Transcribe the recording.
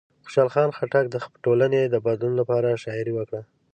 خوشحال خان خټک د ټولنې د بدلولو لپاره شاعري وکړه.